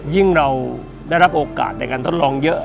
ยิ่งเราได้รับโอกาสในการทดลองเยอะ